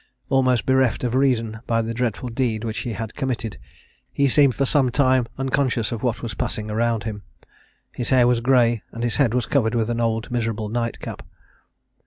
Almost bereft of reason by the dreadful deed which he had committed, he seemed for some time unconscious of what was passing around him. His hair was grey, and his head was covered with an old miserable nightcap.